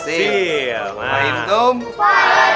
selamat tinggal selamat tinggal